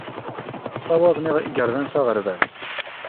Ssawaḍen igerdan s aɣerbaz.